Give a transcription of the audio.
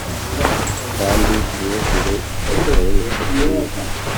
kandi imyuzure ikundwa yimisatsi ye.